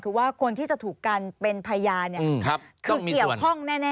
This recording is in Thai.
คือว่าคนที่จะถูกกันเป็นพยานคือเกี่ยวข้องแน่